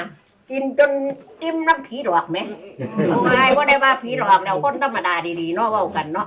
กินจนอิ่มน้ำผีหลอกไหมมายก็ได้มาผีหลอกแล้วพ่นธรรมดาดีดีเนาะเว้ากันเนาะ